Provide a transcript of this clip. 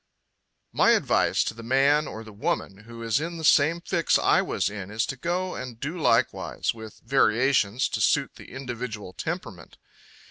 _ My advice to the man or the woman who is in the same fix I was in is to go and do likewise, with variations to suit the individual temperament.